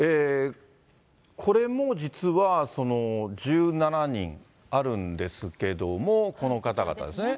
これも実は、１７人あるんですけども、この方々ですね。